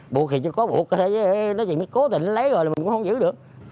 buộc thì chứ có buộc nói chuyện nó cố tình lấy rồi là mình cũng không giữ được